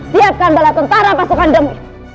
siapkan bala tentara pasukan demik